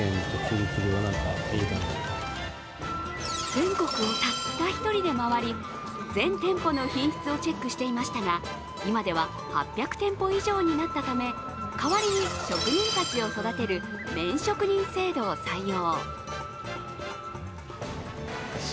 全国をたった１人で回り、全店舗の品質をチェックしていましたが、今では８００店舗以上になったため、代わりに職人たちを育てる麺職人制度を採用。